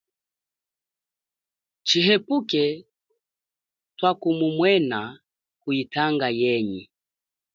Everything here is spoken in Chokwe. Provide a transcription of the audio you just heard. Tshihepuke twakumumwena kuyitanga yenyi.